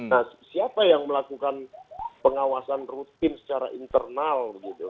nah siapa yang melakukan pengawasan rutin secara internal gitu